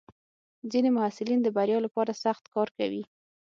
ځینې محصلین د بریا لپاره سخت کار کوي.